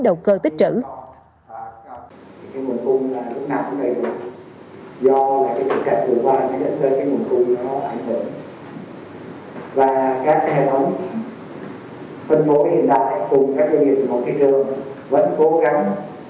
đầu cơ tích trưởng